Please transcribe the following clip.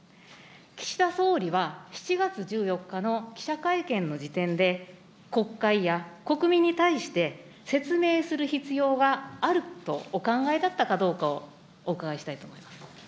岸田総理は７月１４日の記者会見の時点で、国会や国民に対して、説明する必要はあるとお考えだったかどうかをお伺いしたいと思い